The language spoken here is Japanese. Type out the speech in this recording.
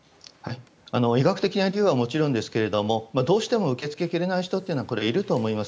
医学的な理由はもちろんですがどうしても受け付けられない人はこれはいると思います。